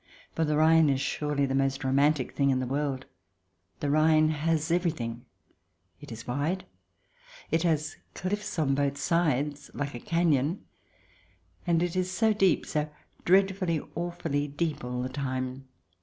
For the Rhine is surely the most romantic thing in the world. The Rhine has every thing. It is wide, it has cliffs on both sides like a cafion, and it is so deep, so dreadfully, awfully, deep all the time.